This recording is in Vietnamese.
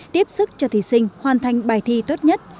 tiếp sức cho thí sinh hoàn thành bài thi tốt nhất